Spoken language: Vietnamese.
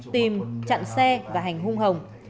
tìm chặn xe và hành hung hồng